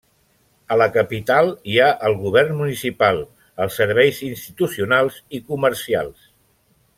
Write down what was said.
A la capital hi ha el govern municipal, els serveis institucionals i comercials.